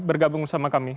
bergabung sama kami